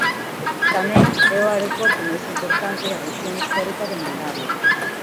Tamén é o aeroporto máis importante da rexión histórica de Moldavia.